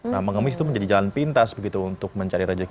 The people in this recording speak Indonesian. nah mengemis itu menjadi jalan pintas begitu untuk mencari rejeki